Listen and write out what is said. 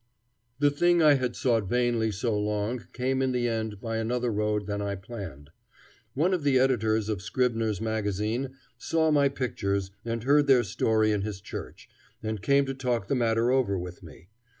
The thing I had sought vainly so long came in the end by another road than I planned. One of the editors of Scribner's Magazine saw my pictures and heard their story in his church, and came to talk the matter over with me.